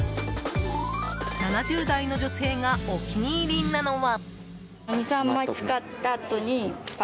７０代の女性がお気に入りなのは。